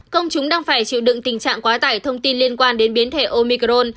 công chúng đang phải chịu đựng tình trạng quá tải thông tin liên quan đến biến thể omicron